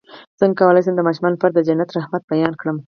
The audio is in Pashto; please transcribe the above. څنګه کولی شم د ماشومانو لپاره د جنت د رحمت بیان کړم